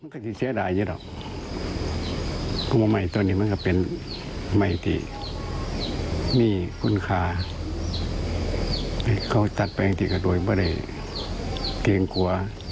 เขาตัดไปอย่างดีก็โดยไม่ได้เกลียงกลัว